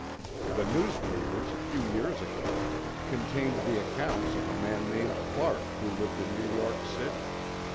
The newspapers, a few years ago, contained the accounts of a man named Clark who lived in New York City.